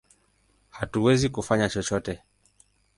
Hatuwezi kufanya chochote!